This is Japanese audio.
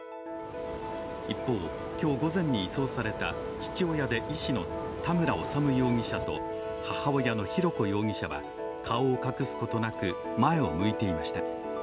一方、今日午前に移送された父親で医師の田村修容疑者と、母親の浩子容疑者は顔を隠すことなく前を向いていました。